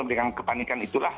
dengan kepanikan itulah